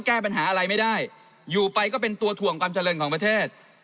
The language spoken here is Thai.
แก้ปัญหาอะไรไม่ได้อยู่ไปก็เป็นตัวถ่วงความเจริญของประเทศ